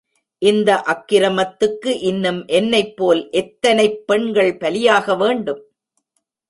இந்த அக்கிரமத்துக்கு இன்னும் என்னைப் போல் எத்தனைப் பெண்கள் பலியாகவேண்டும்?